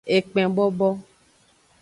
Ekpen bobo.